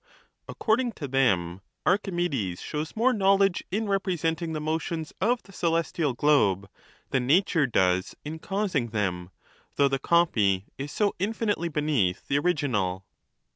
According to them, Archime des shows more knowledge in representing the motions of the celestial globe than nature does in causing them, though the copy is so infinitely beneath the original.